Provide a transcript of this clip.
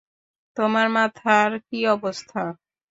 তোমার মাথার কী অবস্থা?